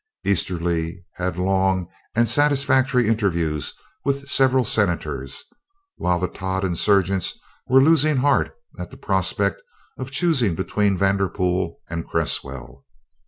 Easterly had long and satisfactory interviews with several senators, while the Todd insurgents were losing heart at the prospect of choosing between Vanderpool and Cresswell.